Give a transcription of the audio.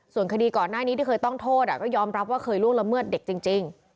ส่วนคดีก่อนหน้านี้ที่เคยต้องโทษก็ยอมรับว่าเคยล่วงละเมิดเด็กจริง